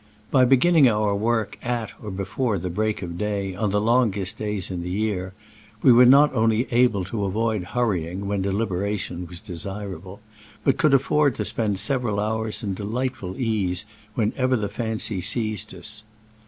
By beginning our work at or before the break of day on the longest days in the year, we were not only able to avoid hurrying when de liberation was desirable, but could afford to spend several hours in delightful ease whenever the fancy seized us.